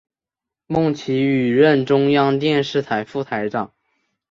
孟启予任中央电视台副台长。